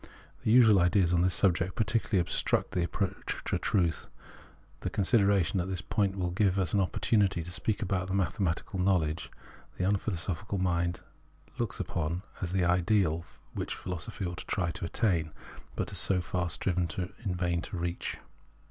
The usual ideas on this subject particularly obstruct the approach to the truth. The consideration of this point will give us an opportunity to speak about mathematical knowledge, which the unphilosophical mind looks upon as the ideal Avhicli philosophy ought to try to attain, but has so far striven in vain to reach.